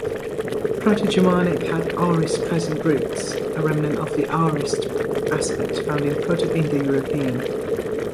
Proto-Germanic had aorist-present roots, a remnant of the aorist aspect found in Proto-Indo-European.